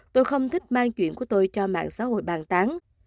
tôi không thích mang chuyện của tôi cho mạng xã hội bàn tán